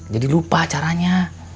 jadi lupa caranya